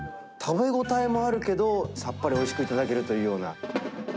食べ応えもあるけど、さっぱりおいしく頂けるというような。